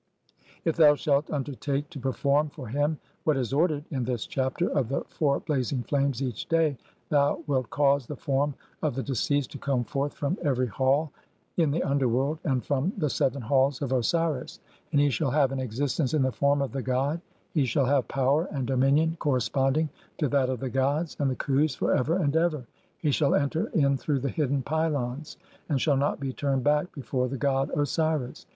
IF THOU SHALT UNDERTAKE TO PERFORM FOR HIM [WHAT IS ORDERED] IN THIS "CHAPTER OF THE FOUR BLAZING FLAMES" EACH [DAY?], (33) THOU WILT CAUSE THE FORM OF THE DECEASED TO COME FORTH FROM EVERY HALL [IN THE UNDERWORLD] AND FROM THE SEVEN HALLS OF OSIRIS. AND HE SHALL HAVE AN EXISTENCE IN THE FORM OF THE GOD, HE SHALL HAVE POWER AND DOMINION CORRESPONDING TO THAT OF THE GODS AND THE KHUS FOR EVER AND EVER ; HE SHALL ENTER IN THROUGH THE HIDDEN PYLONS AND SHALL NOT BE TURNED BACK BEFORE THE GOD OSIRIS.